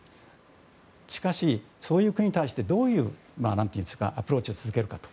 しかし、そういう国に対してどういうアプローチを続けるかと。